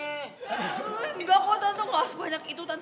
enggak kok tante gak harus banyak itu tante